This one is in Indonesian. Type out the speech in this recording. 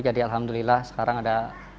jadi alhamdulillah sekarang ada